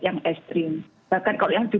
yang ekstrim bahkan kalau yang di